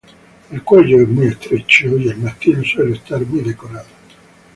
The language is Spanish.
El cuello es muy estrecho, y el mástil suele estar muy decorado.